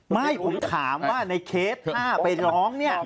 ไม่ผมถามว่าในเคสถ้าไปร้องเนี่ย